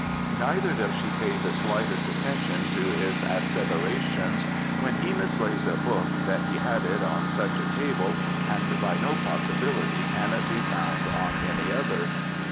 Neither does she pay the slightest attention to his asseverations when he mislays a book that he had it on such a table, and by no possibility can it be found on any other.